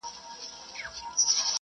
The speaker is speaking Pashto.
زموږ په هېواد کې یو نوی نسل په وده دی.